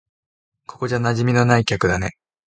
ここじゃ馴染みのない客だね。